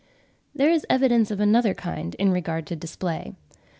There is evidence of another kind in regard to display.